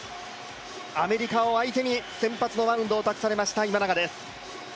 アメリカを相手に先発のマウンドを託されました今永です。